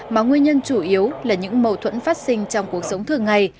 mà nguyên nhân chủ yếu là những mâu thuẫn phát sinh trong cuộc sống thường ngày